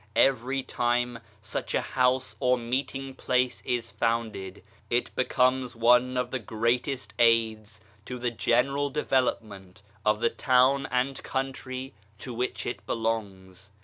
Every time such a house or meeting place is founded it becomes one of the greatest aids to the general development of the town and country to which it belongs.